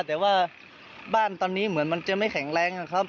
แต่ว่าบ้านตอนนี้เหมือนมันจะไม่แข็งแรงนะครับ